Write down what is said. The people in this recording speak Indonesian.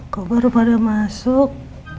kok baru pada masuk